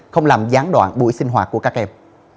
không làm gián đoạn buổi sinh hoạt của các em